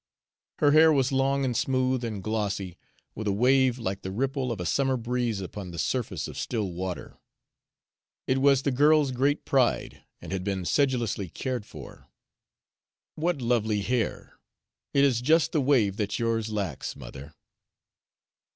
Her hair was long and smooth and glossy, with a wave like the ripple of a summer breeze upon the surface of still water. It was the girl's great pride, and had been sedulously cared for. "What lovely hair! It has just the wave that yours lacks, mother."